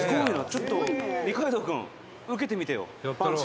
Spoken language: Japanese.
ちょっと二階堂君受けてみてよパンチ」